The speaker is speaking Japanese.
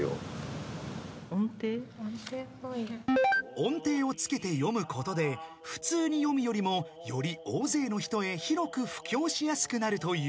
［音程をつけて読むことで普通に読むよりもより大勢の人へ広く布教しやすくなるという］